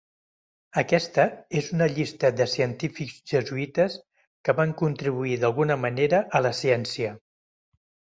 Aquesta és una llista de científics jesuïtes que van contribuir d'alguna manera a la ciència.